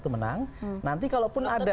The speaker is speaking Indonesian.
itu menang nanti kalaupun ada